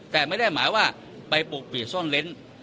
แต่ไม่ได้หมายว่าไปปกปิดซ่อนเล้น